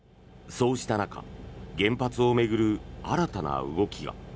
そうした中原発を巡る新たな動きが。